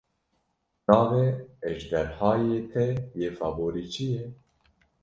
Navê ejderhayê te yê favorî çi ye?